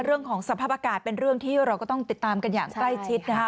เรื่องของสภาพอากาศเป็นเรื่องที่เราก็ต้องติดตามกันอย่างใกล้ชิดนะคะ